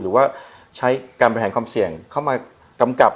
หรือว่าใช้การบริหารความเสี่ยงเข้ามากำกับ